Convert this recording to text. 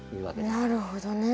なるほどね。